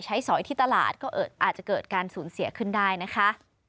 สอยที่ตลาดก็อาจจะเกิดการสูญเสียขึ้นได้นะคะ